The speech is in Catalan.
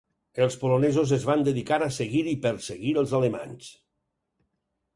Els polonesos es van dedicar a seguir i perseguir els alemanys.